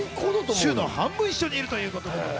週の半分、一緒にいるということでね。